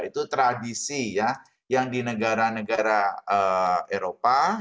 itu tradisi ya yang di negara negara eropa